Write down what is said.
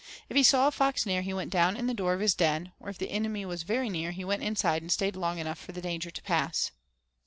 If he saw a fox near he went down in the door of his den, or if the enemy was very near he went inside and stayed long enough for the danger to pass.